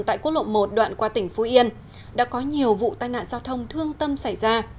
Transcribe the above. tại quốc lộ một đoạn qua tỉnh phú yên đã có nhiều vụ tai nạn giao thông thương tâm xảy ra